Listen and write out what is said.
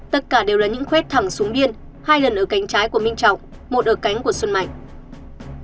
tất cả đều là những khuét thẳng xuống biên hai lần ở cánh trái của minh trọng một ở cánh của xuân mạnh